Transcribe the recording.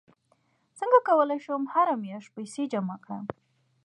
څنګه کولی شم هره میاشت پیسې جمع کړم